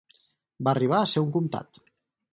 Va arribar a ser un comtat.